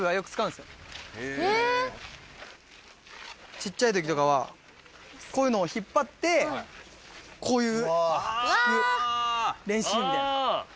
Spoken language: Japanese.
小っちゃい時とかはこういうのを引っ張ってこういう引く練習みたいな。